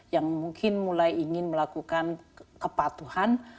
yang mungkin mulai ingin melakukan kepatuhan